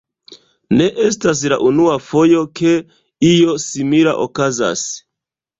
Ne estas la unua fojo, ke io simila okazas.